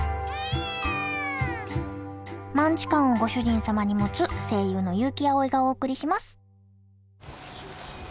マンチカンをご主人様に持つ声優の悠木碧がお送りします。